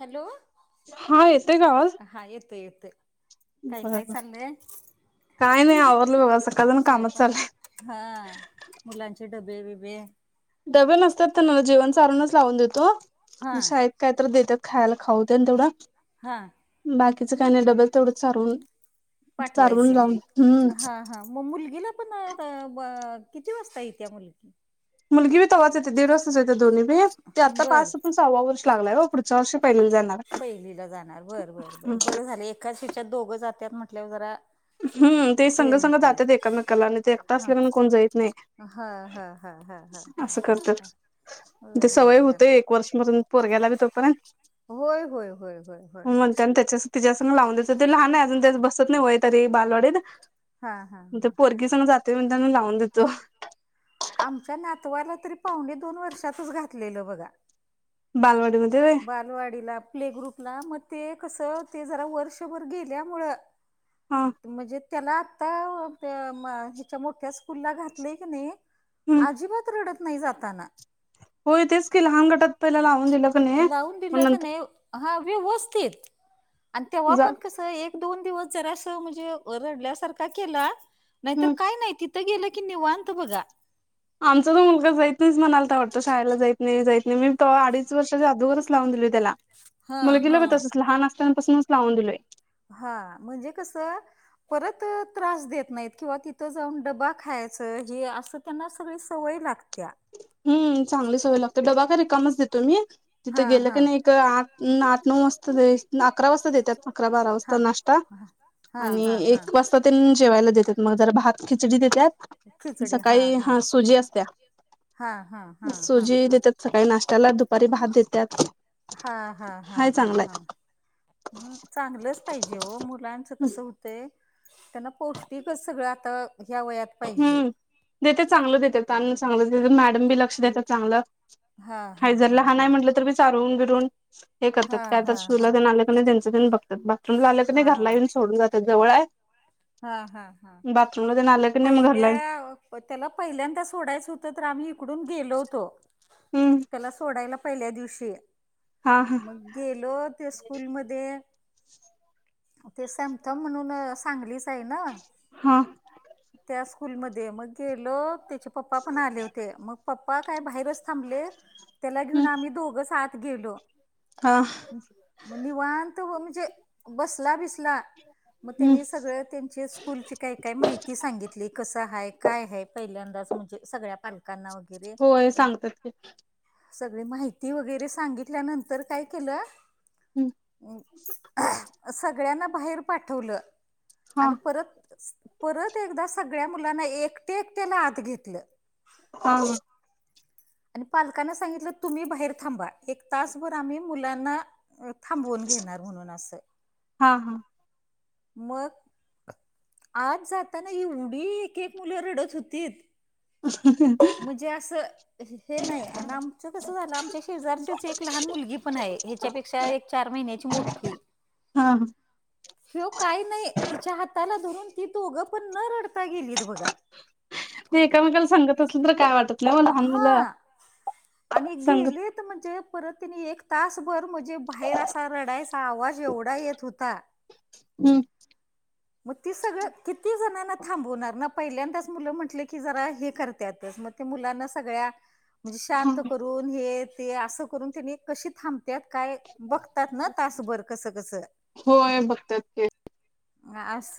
Hello, हा, येतोय का आवाज? हा येतोय येतोय. काय काय बरबर. चाललंय काय नाही आवरलं बघा. सकाळधरण कामच चाललंय. हां, मुलांचे डबे बिबे. डबे नसतात त्यांना जेवण चारूनच लावून देतो. हा मग शाळेत कायतर देतात खायला खाऊ तेन तेवढा. हां. बाकीचं काय नाही डबल तेवढं चारुन, चारवून लावून. हं. म मुलगीला पण अं ब किती वाजता येतीया मुलगी? मुलगी बी तवाच येते दिड वाजताच येत्यात दोन्ही बी ते आता बर पाच सपून सहाव वर्ष लागलय ओ पुढच्या वर्षी पहिलीला जाणार. पहिलीला जाणार बरं बरं बरं. बरं झालं एकाचं ह्याच्यात दोघं जात्यात म्हटल्यावर जरा हम्म ते हे संग संग होतय जात्यात एकामेकाला आणि ते एकट हा असल्यामुळे कोण जाईत नाही. हा हा हा हा हा हा असं करतात हा ते बरं बरं बरं सवय होते एक वर्ष होती. पर्यंत पोरग्याला बी तोपर्यंत. होय होय होय होय होय होय. आणि म्हणते त्याच्याच तिच्यासंग लावून द्यायचं तो लहान आहे अजून त्याच बसत नाही वय तरी बालवाडीत. हा हा पण हा ते पोरगी संग जातोय म्हणताना लावून देतो. आमच्या नातवाला तरी पावणे दोन वर्षातच घातलेलं बघा. बालवाडीमध्ये होय. बालवाडीला प्ले ग्रुपला मग ते कसं ते जरा वर्षभर गेल्यामुळं हा म्हणजे त्याला आत्ता ते म ह्याच्या मोठ्या स्कूलला घातलय की नाही, हम्म अजिबात रडत नाही जाताना. होय तेच की, लहान गटात पहिला लावून दिल. लावून दिलं का नाही हा व्यवस्थित आणि तेव्हा जा पण कस फक्त एक दोन दिवस जरास म्हणजे रडल्यासारखा केला नाहीतर हम्म काय नाही ति थ गेल की निवांत बघा. आमचा पण मुलगा जाईत नाहीचं म्हणालता वाटतं शाळेला जाईत नाही जाईत नाही मी तवा अडीच वर्षाच्या आदूगरच लावून दिलोय त्याला. हा मुलगीला बी हा तसंच लहान असताना पासनच लावून दिलोय. हा म्हणजे कसं परत त्रास देत नाहीत किंवा तिथं जाऊन डबा खायचं हे असं त्यांना सगळी सवय लागत्या. हम्म. चांगली सवय लागत्या. डबा काय रिकामाच देतोय मी तिथ हा गेलं की हा नाही तिथं आठ आठ नऊ वाजता अकरा वाजता देत्यात. अकरा बारा वाजता हा नाश्ता हा हा आणि हा हा एक वाज ता तेनी जेवायला देतात म जरा भात खिचडी देत्यात. सकाळी हा सुजी असत्या. हा हा. हा हा सुजी हा देत्यात सकाळी नाश्त्याला. दुपारी भात देत्यात. हा हा हा हा हा. हं. चांगलंच पाहिजे ओ मुलांचं कसं हूतंय त्यांना पौष्टिक अस सगळं आता ह्या वयात पाहिजे हम्म. देत्यात चांगलं देत्यात अन्न चांगलंच देत्यात मॅडम बी लक्ष देत्यात चांगलं. हा हा हाय जर हा लहान आहे हा म्हटलं तर बी चारवून बिरवून हे हा करत्यात. काय तर हा शू हा ला तेन आलं कणी त्यांचं तेनी बघत्यात. बाथरूमला आलं कणी हा घरला येऊन सोडून जा जवळ आहे. हा हा हा. बाथरूमला तेन आल पहिल्या त्याला पहिल्यांदा सोडायचं होतं तर आम्ही हिकडून गेलो होतो. हम्म. त्याला सोडायला पहिल्या दिवशी हा हा मग गेलो ते स्कूल मध्ये ते समथम म्हणून सांगली हा. त्याच्या स्कूलमध्ये मग गेलो, त्याचे पप्पा पण आले होते मग पप्पा काय बाहेरच थांबले त्याला घेऊन आम्ही दोघच आत गेलो. हां मग निवणत म्हणजे बसला बिसला मग हम्म त्यांनी सगळं त्यांचे स्कूलची काय काय माहि ती सांगितली कसं आहेय काय हाय पहिल्यांदाच म्हणजे सगळ्या पाल काना वैगेरे. होय सांगतात की सगळी माहिती वगैरे सांगितल्यानंतर काय केलं हम्म सगळ्यांना बाहेर पाठवलं हा आणि परत परत एकदा सगळ्या मुलांना एकट्या एकट्याला आत घेतलं. हा ह आणि पालकांना सांगितलं तुम्ही बाहेर थांबा एक तासभर आम्ही मुलांना थांबवून घेणार म्हणून असं. हा हा मग आत जाताना एवढी एक एक मुलं रडत होतीत [unintelligible] म्हणजे अस हे नाही आणि आमचं कस झालं आमच्या शेजारचीच एक लहान मुलगी पण आहे त्याच्यापेक्षा एक चार महिन्याची मोठी हा ह हो्यो काही नाही तिच्या हाताला धरून ती दोघं पण न रडता गेलीत बघा. ते एकामेकाला सांगत असल तर काय वाटत नाही ओ लहान हा मुलं आणि सांगत गेलीत म्हणजे परत कणी एक तासभर म्हणजे बाहेर असा रडायचा आवाज एवढा येत होता हम्म मग तेी सगळं किती जणांना थांबवणार ना पहिल्यांदाच मुलं म्हंटले की जरा हे करत्यातच मग मुलांना सगळ्या म्हणजे हा शांत करून हे ते अस करून त्यानी कशी थ त्यात काय बघतात ना तासभर कसं कसं होय बघतात की, हा अस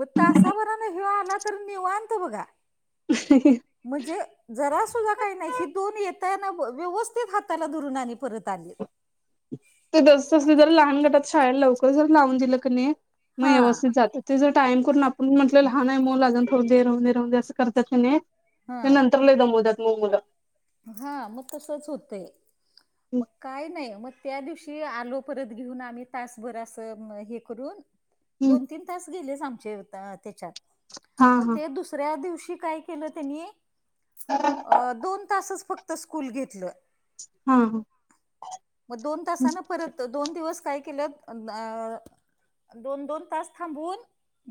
मग तासाभरान ह्यो आला तर निवांत बघा [unintelligible] म्हणजे जरा सुुद्धा काही नाही ही दोन येताना व्यवस्थित हाताला धरुन आणि परत आली. ते दोस्त असले तर लहान गटात शाळेला लवकर जर लावून दिलं कणी मग हा व्यवस्थित जात्यात. तेज टाइम करून आपण म्हटलं लहान आहे मुल अजून थोड देर राऊ दे राहून दे असं करतात कणी हा ते नंतर लई दमवत्यातत मग मुल. हा मग तसच होतय. मग काय नाही मग त्या दिवशी आलो परत घेऊन आम्ही तासभर असं हे करून. दोन तीन तास गेलेच आमचे तेच्यात हा मग हा ते दुसऱ्या दिवशी काय केल त्यांनी दोन तासच फक्त स्कूल घेतलं. हा हा मग दोन तासान परत दोन दिवस काय केलं दोन दोन तास थांबवून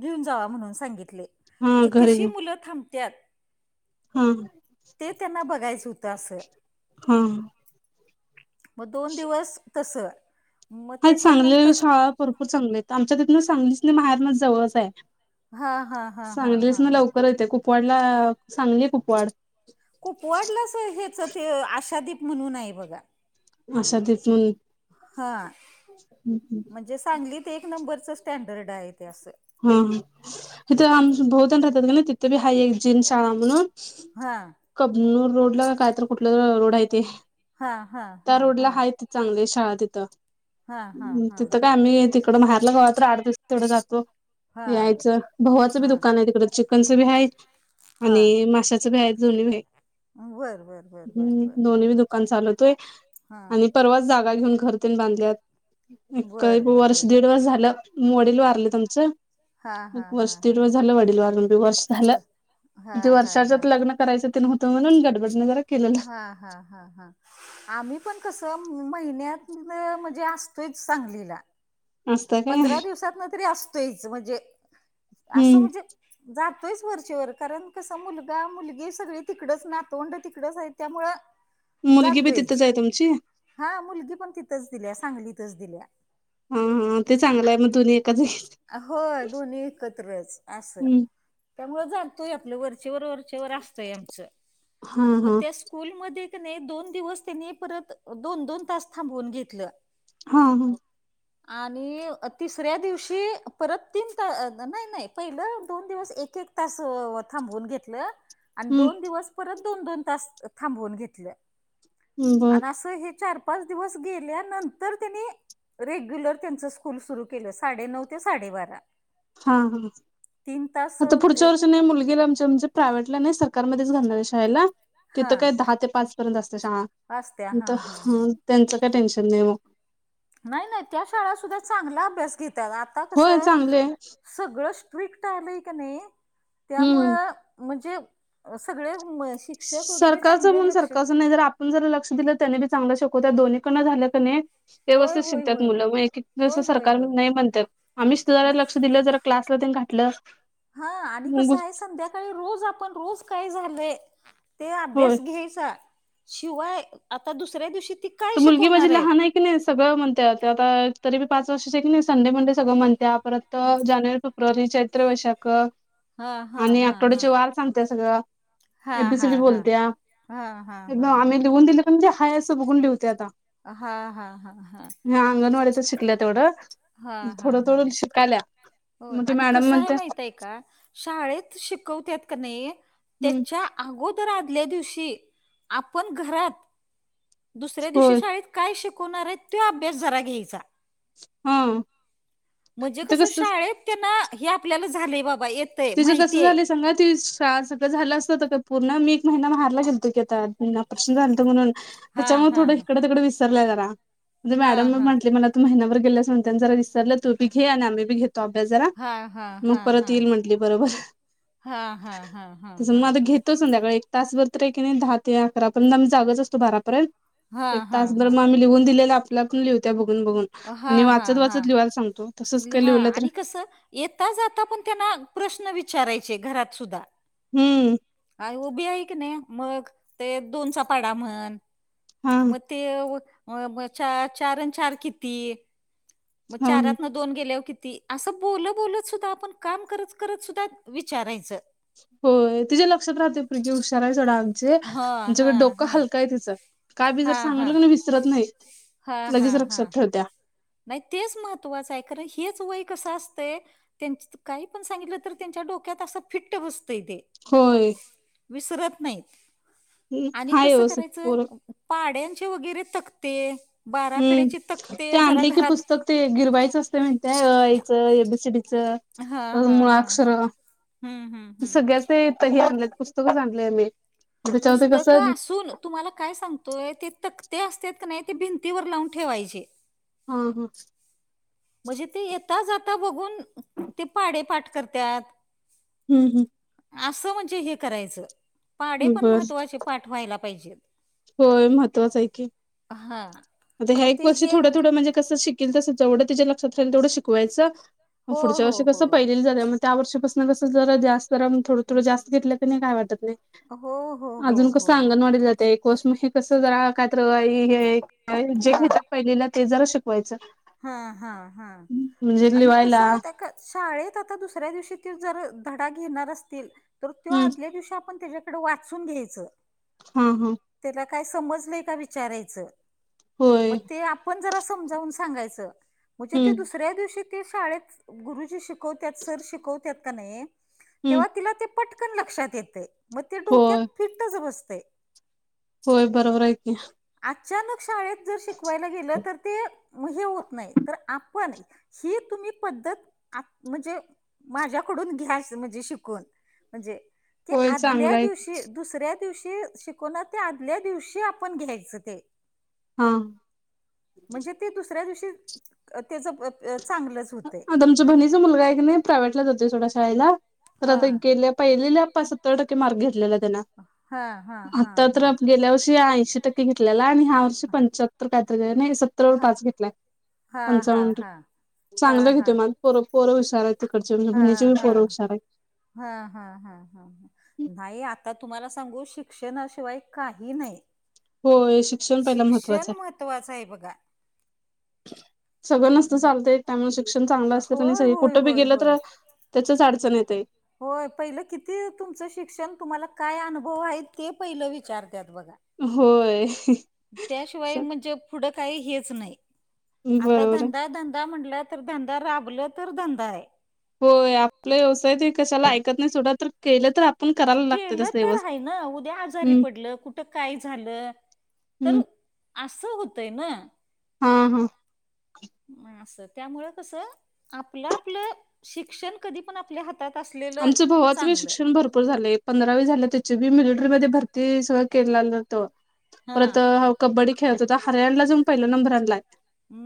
घेऊन जावा म्हणून सांगितले. हा म्हणजे घरी कशी मुलं थांबत्यात हम ते त्यांना बघायचं होतं असं. हम मग दोन दिवस तस. हा, चांगले शाळा भरपूर चांगल्या आहेत, आमच्या तीथन सांगलीच [unintelligible] जवळच आहे. हा हा हा हा हा सांगलीन हा लवकर येतय, कुपवाडला सांगली, कुपवाड. कुपवाडलाच हेच ते आशादीप म्हणून आहे बघा. अशा तिथून हा, म्हणजे सांगलीत एक नंबरच स्टँडर्ड आहे ते असं. हं, हं, इथे आम बहुत जण राहतात कि नाही, तिथे बी हाय एक जीन शाळा म्हणून. हा. कबनूर रोडला का काय तर कुठला रोड आहे ते, हा हा त्या हा रोडला हा हाय त चांगली शाळा तिथं, हा हा हा तिथं काय हा आम्ही ति तिकड माहेरला कवातर आठ दिवस तेवढ जातो. हा यायचं, भावाचं बी हा दुकान आहे तिकडं, चिकनचं बी हाय हा आणि माशाच बी हाय जुनी बी हाय. बर बर बर बर बर हम्म, बर दोन्ही बी दुकान चालवतोय हा आणि परवाच जागा घेऊन घरा‌ तेन बांधल्यात. एक बर बर बर वर्ष, दीड वर्ष झालं वडील झालं हे झालं वारलेत तिचं आम च हा हा एक वर्ष, हा दिड हा वर्ष झालं वडील वारून बी वर्ष व झालं. ते डिस्चार्ज वर्षाच्या आत झाला. लग्न करायंच तेन होत म्हणून, गडबडीने जरा केलेलं हा, हा. हा, हा. आम्ही पण कसं महिन्यातन म्हणजे असतोयच सांगलीला. असतं काय पंधरा दिवसातन तरी असतोयच म्हणजे, असं हम्म. म्हणजे जातोयच वरचेवर कारण, कसा मुलगा, मुलगी सगळी तिकडच नातवंड तिकडच आहेत, त्यामुळ [inaudible] बी जातोयच, तिथंच आहे तुमची? हा मुलगी पण तिथंच दिल्या सांगलीतच दिल्या. हं, हं, ते चांगलंय मग दोन्ही एकाच जागी. होय, दोन्ही एकत्रच असं. जागी त्यामुळं जातोय आपलं, वरचेवर, वरचेवर असतंय आमचं. हा, हा. स्कूल मध्ये की नाई, दोन दिवस त्यांनी परत दोन, दोन तास थांबवून घेतलं. हा, हा. आणि तिसऱ्या दिवशी की, परत तीन तास नाय, नाय पहिलं दोन दिवस एक, एक तास थांबवून घेतलं. आणि हा दोन दिवस परत दोन-दोन तास थांबवून घेतले बर आणि असं हे चार पाच दिवस गेल्यानंतर त्यांनी, रेग्युलर त्यांच स्कूल सुरू केलं. साडेनऊ ते साडे बारा. हा, हा, आता अ, पुढच्या ते- वर्ष नाही मुलगीला आमच्या आमचे म्हणजे प्रायव्हेटला नाही, सरकारमध्येच घालणार ये शाळेला. हा तिथं काय दहा ते पाच पर्यंत असत्या शाळा, असत्या हा हा हा त्यांचं काय टेन्शन नाही मग. नाय, नाय, त्या शाळात सुद्धा चांगला अभ्यास घेत्यात, आता होय कसं चांगले सगळं स्ट्रिक्ट आलंय की नाही हम्म त्यामुळं म्हणजे, सगळे [unintelligible] वगैरे सरकारच चांगले म्हणून लक्ष सरकारच नाही तर आप आपण जरा लक्ष दिलं, त्याने बी चांगला शिकवत्या दोन्हीकडं झाल की नाही होय व्यवस्थित होय शिकत्यात होय मुलं, एक, एक दिवस होय होय होय सरकार होय नाही म्हणत्यात, आम्ही तुझ्या न- लक्ष दिलं जरा क्लासला तेनं घातलं हा आणि कसं ए संध्याकाळी रोज आपण रोज काय झालय ते होय अभ्यास घ्यायचा, शिवाय आता दुसऱ्या दिवशी ती काय ती मुलगी माझी शिकवणार आहेत लहान आहे की नी सगळं म्हणते आता तरी बी पाच वर्ष आहे की नाही तरी बी संडे मनडे सगळं म्हणते परत तर जानेवारी, फेब्रुवारी, चैत्र, वैशाख हा हा आणि हा हा आठवड्याचे वार सांगते सगळं. हा ए बी सी हा डी हा बोलतया हा हा हा हा आम्ही लिहून दिले म्हणजे हाय असं बघून लिवहते आता. हा हा हा हा. हा, अंगणवाडीतच शिकल्या तेवढं. हा, हा, थोडं हा, थोडं शिकाल्या हो मग ते आणि मॅडम कसं आहे म्हणत्या माहित आहे का? शाळेत शिकवत्यात का नाई हम्म त्याच्या अगोदर आदल्या दिवशी आपण घरात दुसऱ्या दिवशी होय शाळेत काय शिकवणार आहेत ते अभ्यास जरा घ्यायचा. हा म्हणजे कस शाळेत त्यांना हे आपल्याला झालंय बाबा हे येत तिझं जसं झालंय सांगा ती का सगळं झालं असत ते का पूर्ण मी एक महिना माहेरला गेलती की आता ऑपरेशनपन झालत म्हणून. हां, त्याच्यामुळे हां, थोडं हां. इकडं, तिकडे विसरलंय जरा म्हणजे हां, मॅडम हां. म्हटली मला महिनाभर गेले अस म्हणता जरा विसरलं, तु बी घे आणि आम्ही बी घेतो अभ्यास जरा हां, हां, मग हां, परत हां. येईल म्हणत बरोबर, हां, हां, हां, हां, तस मग हां, आता हां. घेतो संध्याकाळी तासभर तरी हे की नाही दहा ते अकरा पर्यंत आम्ही जागच असतो बारापर्यंत एक हां, हां, तास भर हां. आम्ही लिहून दिलेलं आपल्या आपण लिवहत्या बघून, बघून आणि हां, वाचत, हां, वाचत हां. लिवायला सांगतो तसच काय हां लिवहल तर आणि कसं येता जाता पण त्यांना प्रश्न विचारायचे घरात सुद्धा? हम्म. आई उभी आहे की नाही मग ते दोनचा पाडा म्हण हा मग ते मग चार अन चार किती? हा चारातन दोन गेल्यावर किती? असं बोल, बोलत सुद्धा आपण काम करत, करत सुद्धा विचारायचं. होय, तिचेे लक्षात राहते पप्रीती हुशार आहे जरा आमची हा जिकडे हा डोकं हा हलका आहे तिचं. काय बी जर हा सांगल हा की नाही विसरत नाही हा हा लगेच हा लक्ष्यात ठेवत्या नाही तेच महत्त्वाचं आहे कारण हेच वय कसं असतंय त्यांच काही पण सांगितलं तर त्यांच्या डोक्यात असं फिट्ट बसतंय ते. होय. विसरत नाहीत आणि हाय कसं व्यवस्थित करायच पोर पाड्यांचे वगैरे तकते, बाराखड्याचे तकते जरा घरात तकते गिरवायचं असतंय म्हाईताय अ आ ई चं ए बी सी डी चं. हां, अ हां, मुळा हां, अक्षर हां. हं, हं, हं. सगळ्याचं ते ते हे आणल्यात पुस्तकच आणलय मी त्याच्यामध्ये पुस्तकं कसं असून तुम्हाला काय सांगतोय ते तखते असत्यात का नाही ते भिंतीवर लावून ठेवायचे. हा हा. म्हणजे ते येता जाता बघून ते पाडे पाठ करत्यात. हम्म, हम्म. आसं म्हणजे हे करायचं पाडे हम्म पण बर महत्वाचे पाठ व्हायला पाहिजेत. होय म्हत्त्वाचं हाय की. हा. म ता ह्या एक वर्ष थोडं, थोडं म्हणजे कसं शिकील तसं जवढं तीच्या लक्षात राहील तेवढं शिकवायचं म हो पुढच्या हो वर्षी हो. कसं पहिलीला जात्या मग त्या वर्षीपासनं कसं जरा जास्त राऊन थोडं थोडं जास्त घेतलं कनी काय वाटत नाय. हो हो हो हो हो. ते एक [unintelligible] हे कसं जरा काय तर अ आ ई हे जे हा. घेतात पहिलीला ते जरा शीक वायचं हा हा हा, आणि लिवायला कसं माहितीय काय शाळेत आता दुसऱ्या दिवशी त्यो जर धडा घेणार असतील तर त्यो हम्म आदल्या दिवशी आपण त्याज्या डं वाचून घ्यायचं. ह ह त्याला काय समजलय काय विचारायचं. म होय ते आपण जरा समजावून सांगायचं. म्हणजे ते हम्म दुस सऱ्या दिवशी ते शाळेत गुरुजी शिकवत्यात, सर शिकवत्यात कनाय हम्म तेव्हा तिला ते पटकन लक्षात येतय म ते होय डोक्यात फिट्टच बसतय. होय. बरोबर हाय की, आचानक शाळेत जर, शिकवायला गेलं तर ते म हे होत नाय. तर आपण, ही तुम्ही पद्धत आ म्हणजे माझ्याकडून घ्या. म्हजे शिकून म्हणजे, ते होय आदल्या चांगलं आहे की. दिवशी ते दुसऱ्या दिवशी शिकवणार, ते आदल्या दिवशी आपण घ्यायचं ते हा म्हणजे ते दुसऱ्या दिवशी अ तेज अ चांगलचं आता आमच्या बहीणीचा मुलगा हाय कनय, प्रायव्हेटला जातोय सोडा शाळेला, तर हा आता गेल्या पहिलीला पार सत्तर टक्के मार्क घेतलेला त्यानं आता तर गेल्या वर्षी ऐंशी टक्के घे घेतलेला. आणि ह्या वर्षी पंच्याहत्तर काय तर नाय सत्तरवर पंच्याहत्तर पाच टक्के घेतलाय हा हा हा पंचावन्न हा हा चांगलं हा घेतोय. मार्क पोर पोर हुशार हाईत तिकडची म्हणजे हा बहीणीची पण पोरं हा हुशार हाईत. हा हा हा हा. न्हाई, आता तुम्हाला सांगू शिक्षणाशिवाय काही नाही. होय. शी शिक्षण म्हत्त्वाचं हाय बघा. सगळं नसत चालतय त्यामुळ शिक्षण चांगलं असलं कनी, होय सगळी होय कुठं बी होय गेलं होय तर त्याच्याच अडचण येतय. होय पहिलं किती तुमचं शिक्षण, तुम्हाला काय अनुभव हाय. ते पहिलं विचारत्यात बघा. होय. त्याशिवाय म्हणजे पुढं काही हेच नाही. आता बरोबर आहे धंदा धंदा म्हटलात तर धंदा राबलं तर धंदा हाय. होय. आपल व्यवसाय ते कशाला ऐकत नाय, सोडा तर केलं तर आपुण केलं तर हाय न, उद्या आजारी हम्म पडलं. कुठं काय झालं तर, हम्म असं होतंय न हा हा नाय असं त्यामुंळ कस, आपलं आपलं शिक्षण कधी पण आपल्या हात तात असले आमच भावाच बी शिक्षण भरपूर झालय. पंधरावी झालं त्याची बी मिलेट्रीमध्ये भरती सगळ केल्यालत हा परत, हाव कबड्डी खेळत होता. हरीयाणला जाऊन पहिला नंबर आणलाय.